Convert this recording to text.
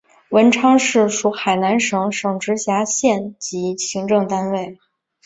文昌市属海南省省直辖县级行政单位。